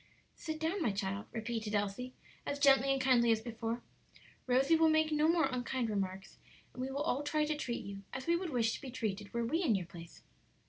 "Sit down, my child," repeated Elsie, as gently and kindly as before; "Rosie will make no more unkind remarks; and we will all try to treat you as we would wish to be treated were we in your place."